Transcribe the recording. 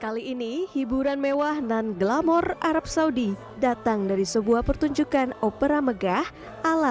kali ini hiburan mewah nan glamor arab saudi datang dari sebuah pertunjukan opera megah ala